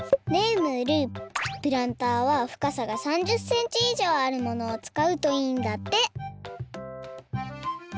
ねえムールプランターは深さが３０センチ以上あるものを使うといいんだって！